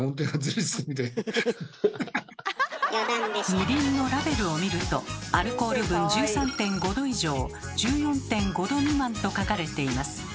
みりんのラベルを見ると「アルコール分１３．５度以上１４．５度未満」と書かれています。